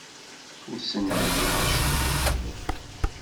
Ur ssenduyeɣ acemma.